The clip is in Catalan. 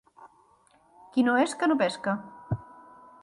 Qui no esca, no pesca.